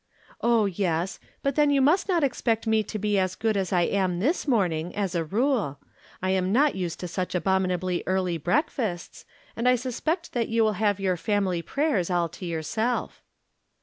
" Oh, yes. But then you must not expect me to be as good as I am this morning, as a rule. I am not used to such abominably early breakfasts, and I susj)ect that you will have your family prayers all to yourself."